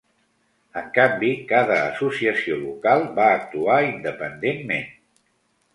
En canvi, cada associació local va actuar independentment.